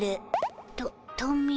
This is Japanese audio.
トトミー。